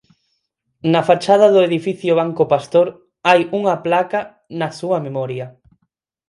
Na fachada do Edificio Banco Pastor hai unha placa na súa memoria.